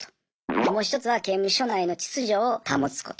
もう一つは刑務所内の秩序を保つこと。